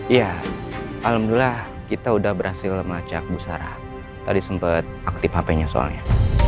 iya alhamdulillah kita udah berhasil melacak bu sarah tadi sempet aktif hp nya soalnya